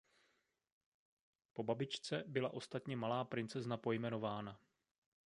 Po babičce byla ostatně malá princezna pojmenována.